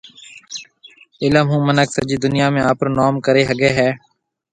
علم هون مِنک سجِي دُنيا ۾ آپرو نوم ڪريَ هگھيَََ هيَ۔